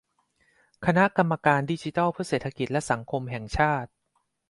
คณะกรรมการดิจิทัลเพื่อเศรษฐกิจและสังคมแห่งชาติ